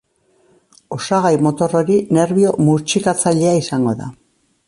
Osagai motor hori nerbio murtxikatzailea izango da.